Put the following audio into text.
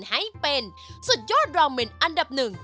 ให้เป็นสุดยอดรอเมนอันดับหนึ่ง